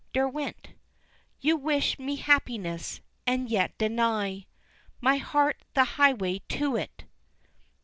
Derwent: "You wish me happiness, and yet deny My heart the highway to it."